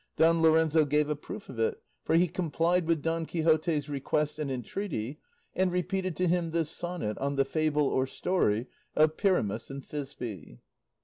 Don Lorenzo gave a proof of it, for he complied with Don Quixote's request and entreaty, and repeated to him this sonnet on the fable or story of Pyramus and Thisbe.